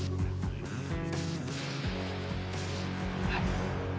はい。